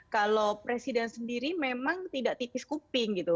kalau presiden sendiri memang tidak tipis kuping gitu